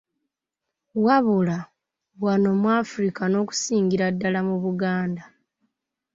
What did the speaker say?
Wabula, wano mu Afirika n'okusingira ddala mu Buganda.